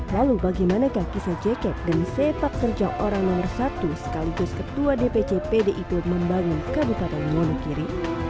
lalu bagaimanakah kisah jacket dan sepak kerja orang nomor satu sekaligus ketua dpc pdip membangun kabupaten wonogiri